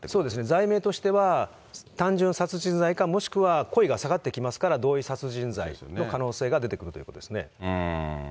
罪名としては、単純殺人罪か、もしくはこいが下がってきますから、同意殺人罪の可能性が出てくるということですね。